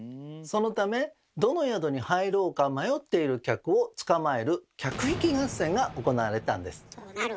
そのためどの宿に入ろうか迷っている客をつかまえる客引き合戦が行われたんです。